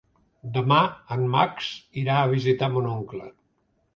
Demà en Max irà a visitar mon oncle.